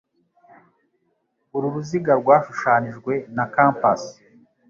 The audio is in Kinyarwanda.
Uru ruziga rwashushanijwe na compas.